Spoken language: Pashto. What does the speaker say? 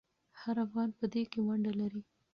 هر افغان په دې کې ونډه لري.